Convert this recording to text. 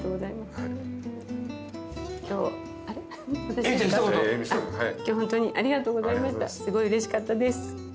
すごいうれしかったです。